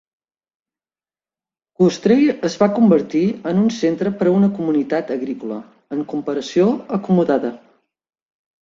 Goostrey es va convertir en un centre per a una comunitat agrícola, en comparació, acomodada.